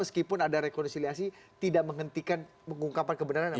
meskipun ada rekonsiliasi tidak menghentikan pengungkapan kebenaran